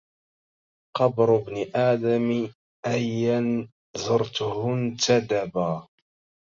قبر ابن آدم أيا زرته انتدبا